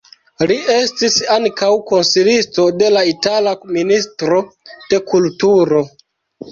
Li estis ankaŭ konsilisto de la itala ministro de kulturo.